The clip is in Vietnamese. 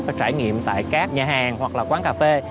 và trải nghiệm tại các nhà hàng hoặc là quán cà phê